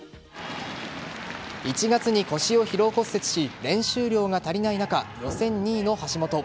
１月に腰を疲労骨折し練習量が足りない中予選２位の橋本。